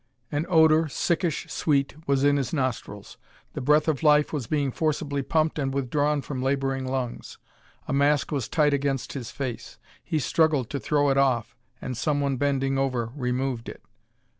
An odor, sickish sweet, was in his nostrils; the breath of life was being forcibly pumped and withdrawn from laboring lungs; a mask was tight against his face. He struggled to throw it off, and someone bending over removed it.